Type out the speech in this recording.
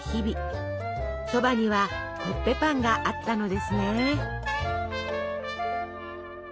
そばにはコッペパンがあったのですね。